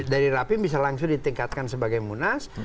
dari rapim bisa langsung ditingkatkan sebagai munas